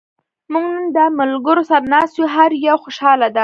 موږ نن د ملګرو سره ناست یو. هر یو خوشحاله دا.